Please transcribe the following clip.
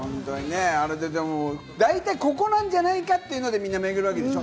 あれで大体ここなんじゃないかっていうので、みんな、巡るわけでしょ？